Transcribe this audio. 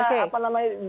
datang begitu mereka